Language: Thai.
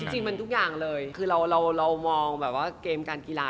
จริงมันทุกอย่างเลยคือเรามองแบบว่าเกมการกีฬา